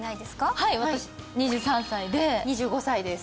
はい私２３歳で２５歳です